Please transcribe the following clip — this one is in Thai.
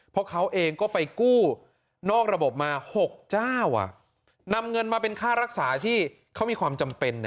เพราะเขาเองก็ไปกู้นอกระบบมา๖เจ้านำเงินมาเป็นค่ารักษาที่เขามีความจำเป็น